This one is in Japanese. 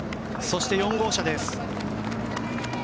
そして、４号車です。